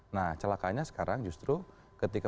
nah celakanya sekarang justru ketika